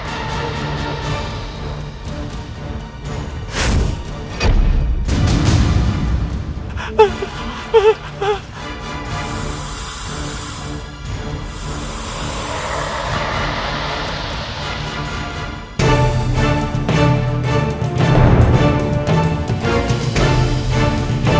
ohh dengan pangkalan untuk berjaya